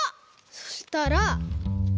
そしたら。